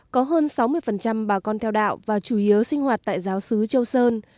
có hơn sáu mươi bà con theo đạo và chủ yếu sinh hoạt tại giáo sứ châu sơn